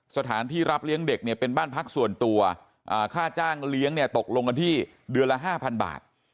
สถานที่รับเลี้ยงเด็กเนี่ยเป็นบ้านพักส่วนตัวค่าจ้างเลี้ยงเนี่ยตกลงกันที่เดือนละ๕๐๐บาท